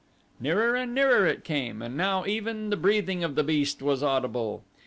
Nearer and nearer it came, and now even the breathing of the beast was audible.